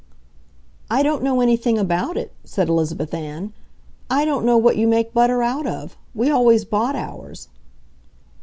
"I don't know anything about it," said Elizabeth Ann. "I don't know what you make butter out of. We always bought ours."